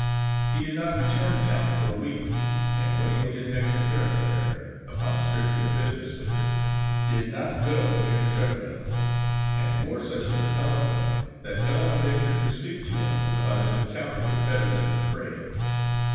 He did not return to town for a week, and when he made his next appearance there, upon strictly a business visit, did not go near the Treadwells', and wore such a repellent look that no one ventured to speak to him about his encounter with Fetters and McRae.